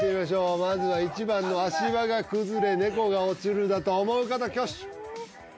まずは１番の足場が崩れ猫が落ちるだと思う方挙手！